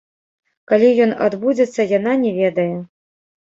Калі ён адбудзецца, яна не ведае.